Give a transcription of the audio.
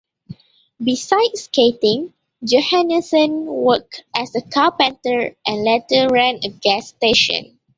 Beside skating, Johannesen worked as a carpenter and later ran a gas station.